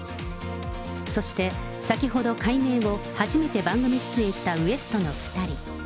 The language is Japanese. そして、先ほど改名後、初めて番組出演したＷＥＳＴ．の２人。